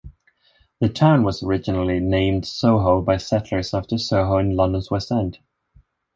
The town was originally named Soho by settlers after Soho in London's West End.